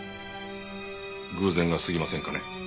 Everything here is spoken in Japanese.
偶然が過ぎませんかね？